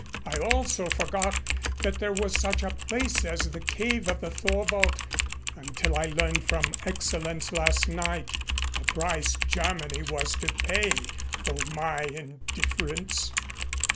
I also forgot that there was such a place as the Cave of the Thorwald until I learned from Excellenz last night, the price Germany was to pay for my indifference.